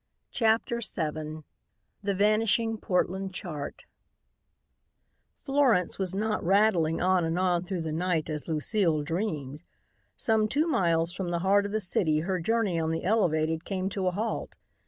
CHAPTER VII THE VANISHING PORTLAND CHART Florence was not rattling on and on through the night as Lucile dreamed. Some two miles from the heart of the city her journey on the elevated came to a halt.